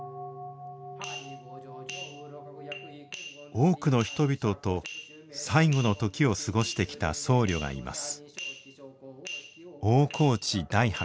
多くの人々と最期の時を過ごしてきた僧侶がいます。